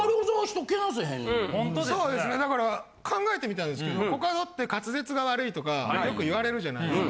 そうですねだから考えてみたんですけどコカドって滑舌が悪いとかよく言われるじゃないですか。